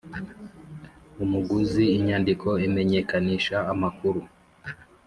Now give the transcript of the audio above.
Umuguzi Inyandiko Imenyekanisha Amakuru